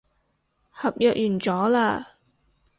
合約完咗喇